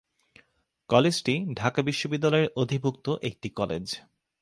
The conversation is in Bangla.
কলেজটি ঢাকা বিশ্ববিদ্যালয়ের অধিভুক্ত একটি কলেজ।